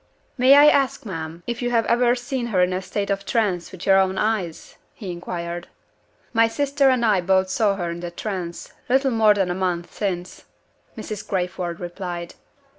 "May I ask, ma'am, if you have ever seen her in a state of trance with your own eyes?" he inquired. "My sister and I both saw her in the trance, little more than a month since," Mrs. Crayford replied.